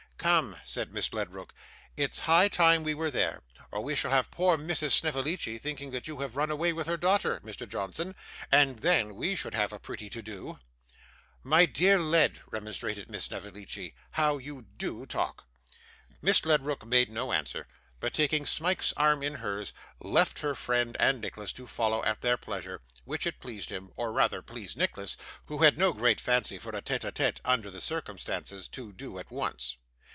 'Come,' said Miss Ledrook, 'it's high time we were there, or we shall have poor Mrs. Snevellicci thinking that you have run away with her daughter, Mr. Johnson; and then we should have a pretty to do.' 'My dear Led,' remonstrated Miss Snevellicci, 'how you do talk!' Miss Ledrook made no answer, but taking Smike's arm in hers, left her friend and Nicholas to follow at their pleasure; which it pleased them, or rather pleased Nicholas, who had no great fancy for a TETE A TETE under the circumstances, to do at once.